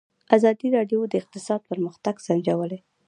ازادي راډیو د اقتصاد پرمختګ سنجولی.